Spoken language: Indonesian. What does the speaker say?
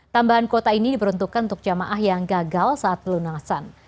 tambahan kuota ini diperuntukkan untuk jamaah yang gagal saat pelunasan